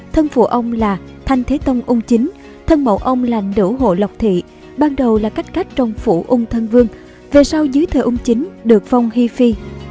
thân phụ ông là thanh thế tông ung chính thân mẫu ông là đỗ hộ lọc thị ban đầu là cách cách trong phủ ung thân vương về sau dưới thờ ung chính được phong hy phi